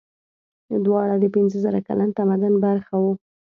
دواړه د پنځه زره کلن تمدن برخه وو.